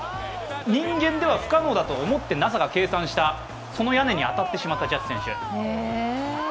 人間では不可能だと思ってＮＡＳＡが計算したその屋根に当たってしまったジャッジ選手。